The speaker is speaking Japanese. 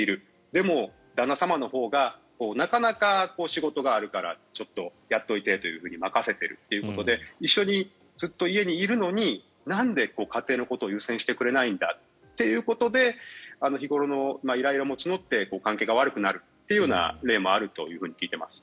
でも、旦那様のほうがなかなか仕事があるからちょっとやっておいてと任せてるということで一緒にずっと家にいるのになんで家庭のことを優先してくれないんだということで日頃のイライラが募って関係が悪くなるという例もあると聞いています。